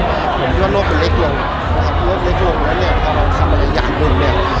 แต่ผมก็นวดไปเล็กลงรถเล็กลงแล้วพอทำอะไรอยากดึง